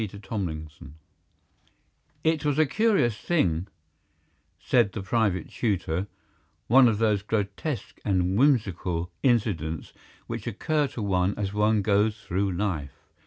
The Japanned Box It WAS a curious thing, said the private tutor; one of those grotesque and whimsical incidents which occur to one as one goes through life.